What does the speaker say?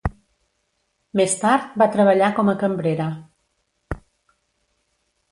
Més tard va treballar com a cambrera.